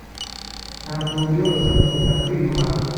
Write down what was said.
Ntabwo wiyoroshya kuruta kwiyubaha.